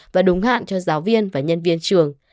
và đúng hạn cho giáo viên và nhân viên trường